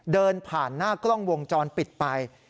เดินผ่านหน้ากล้องวงจรปิดไป